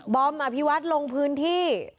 บอมอภิษฐลงพื้นที่